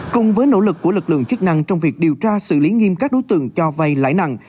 cùng với nỗ lực của lực lượng chức năng trong việc điều tra xử lý nghiêm các đối tượng cho vay lãi nặng